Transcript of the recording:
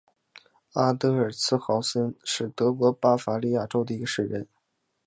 阿德尔茨豪森是德国巴伐利亚州的一个市镇。